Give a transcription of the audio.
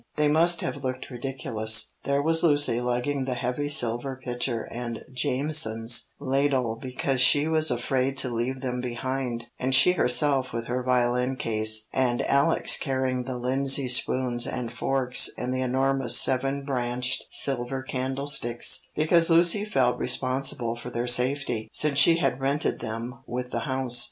They must have looked ridiculous. There was Lucy lugging the heavy silver pitcher and Jameson's ladle because she was afraid to leave them behind, and she herself with her violin case, and Alex carrying the Lindsey spoons and forks and the enormous seven branched silver candle sticks, because Lucy felt responsible for their safety, since she had rented them with the house.